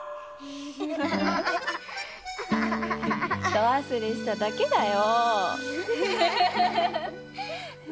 どわすれしただけだよ。